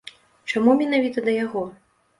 Чаму менавіта да яго?